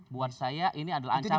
buat saya ini adalah ancaman